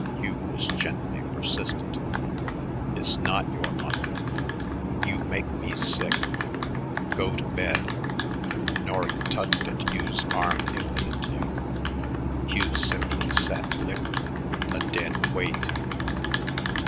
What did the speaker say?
Hugh was gently persistent. "It's not your mother. You make me sick. Go to bed." Norry tugged at Hugh's arm impotently; Hugh simply sat limp, a dead weight.